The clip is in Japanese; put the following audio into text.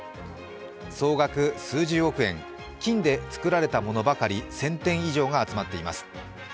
総額数十億円、金で作られたものばかり１０００点以上が集まっています。